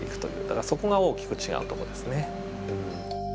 だからそこが大きく違うとこですね。